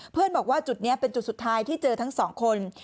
บอกว่าจุดนี้เป็นจุดสุดท้ายที่เจอทั้งสองคน